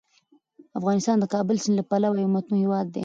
افغانستان د کابل سیند له پلوه یو متنوع هیواد دی.